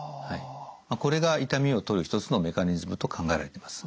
これが痛みを取る一つのメカニズムと考えられています。